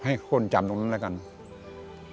ทำด้วยความรู้ของตัวเองที่ตัวเองรู้แค่นั้น